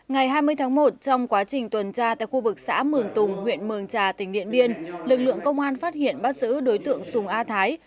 ngày hai mươi tháng một trong quá trình tuần tra tại khu vực xã mường tùng huyện mường trà tỉnh điện biên lực lượng công an phát hiện bắt giữ đối tượng sùng a thái